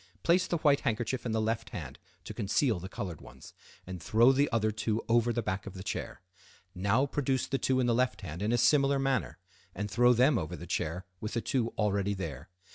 Place the white handkerchief in the left hand to conceal the colored ones, and throw the other two over the back of the chair. Now produce the two in the left hand in a similar manner, and throw them over the chair with the two already there.